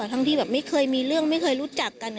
ทั้งที่แบบไม่เคยมีเรื่องไม่เคยรู้จักกัน